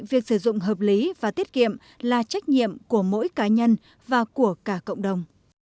việc sử dụng hợp lý và tiết kiệm là trách nhiệm của mỗi cá nhân và của cả cộng đồng